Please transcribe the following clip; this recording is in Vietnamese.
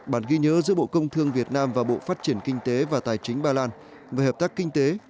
bản ghi nhớ giữa bộ công thương việt nam và bộ phát triển kinh tế và tài chính ba lan về hợp tác kinh tế